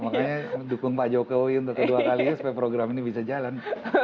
makanya dukung pak jokowi untuk kedua kalinya supaya program ini bisa jalan